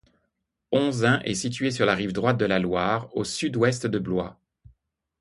Onzain est située sur la rive droite de la Loire, au sud-ouest de Blois.